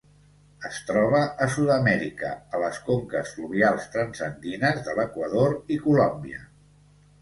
Es troba a Sud-amèrica, a les conques fluvials transandines de l'Equador i Colòmbia.